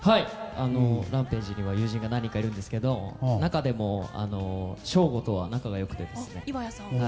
ＴＨＥＲＡＭＰＡＧＥには友人が何人かいるんですけど中でも、翔吾とは仲が良くて。